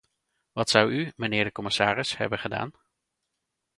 Wat zou u, mijnheer de commissaris, hebben gedaan?